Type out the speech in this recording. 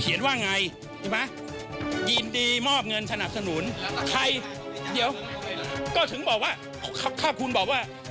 ยินดีมอบเงินสนับสนุนใครเดี๋ยวก็ถึงบอกว่าครับคุณบอกว่า